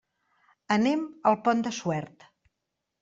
Anem al Pont de Suert.